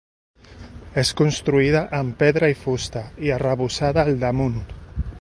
És construïda amb pedra i fusta i arrebossada al damunt.